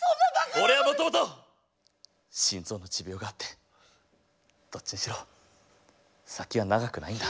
俺はもともと心臓の持病があってどっちにしろ先は長くないんだ。